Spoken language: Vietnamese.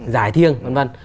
giải thiêng vân vân